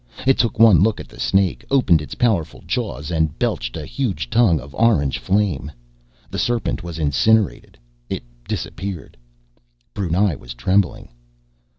It took one look at the snake, opened its powerful jaws, and belched a huge tongue of orange flame. The serpent was incinerated. It disappeared. Brunei was trembling.